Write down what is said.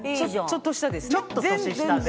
ちょっと下です。